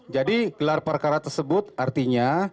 jadi gelar perkara tersebut artinya